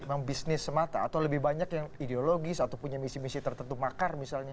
memang bisnis semata atau lebih banyak yang ideologis atau punya misi misi tertentu makar misalnya